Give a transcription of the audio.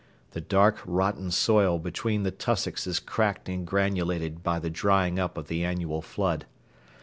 The dark, rotten soil between the tussocks is cracked and granulated by the drying up of the annual flood.